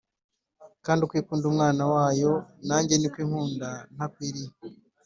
Kandi uko ikunda umwana wayo njye niko inkunda ntakwiriye